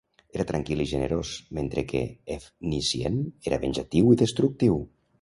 Era tranquil i generós, mentre que Efnisien era venjatiu i destructiu.